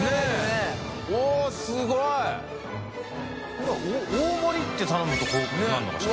これは大盛りって頼むとこうなるのかしら？